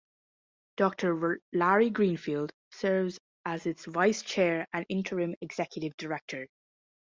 Doctor Larry Greenfield serves as its Vice Chair and Interim Executive Director.